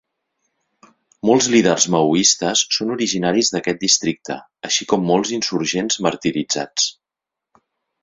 Molts líders maoistes són originaris d'aquest districte, així com molts insurgents martiritzats.